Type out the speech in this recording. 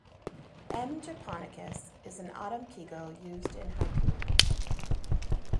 "M. japonicus" is an autumn kigo used in haiku.